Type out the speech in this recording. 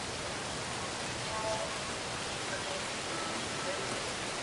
Fue considerado en las últimas campañas una de las perlas de la cantera jiennense.